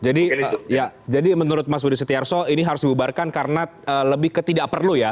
jadi ya jadi menurut mas budi setiarto ini harus diubahkan karena lebih ketidak perlu ya